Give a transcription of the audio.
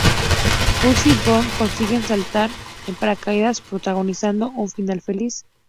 Pussy y Bond consiguen saltar en paracaídas, protagonizando un final feliz.